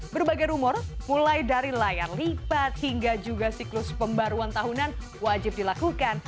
berbagai rumor mulai dari layar lipat hingga juga siklus pembaruan tahunan wajib dilakukan